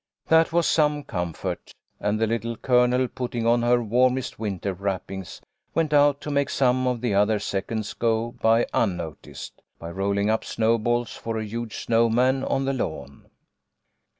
That was some comfort, and the Little Colonel, putting on her warmest winter wrappings, went out to make some of the other seconds go by unnoticed, by rolling up snowballs for a huge snow man on the lawn.